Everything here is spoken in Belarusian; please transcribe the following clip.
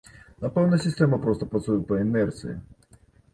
Напэўна, сістэма проста працуе па інерцыі.